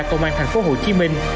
công an thành phố hồ chí minh